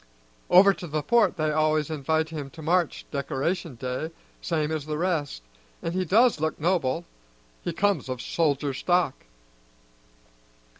Over to the Port they always invite him to march Decoration Day, same as the rest, an' he does look noble; he comes of soldier stock."